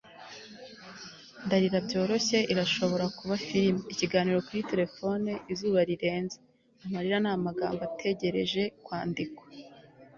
ndarira byoroshye irashobora kuba firime, ikiganiro kuri terefone, izuba rirenze - amarira ni amagambo ategereje kwandikwa